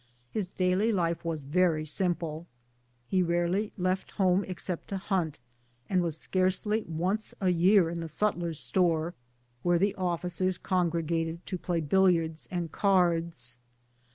His daily life was very simple. lie rarely left home except to hunt, and was scarcely once a year in the sutler's store, where the offi cers congregated to play billiards and cards.